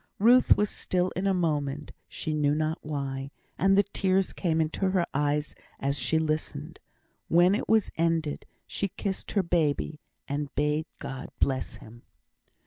Ruth was still in a moment, she knew not why; and the tears came into her eyes as she listened. When it was ended, she kissed her baby, and bade God bless him.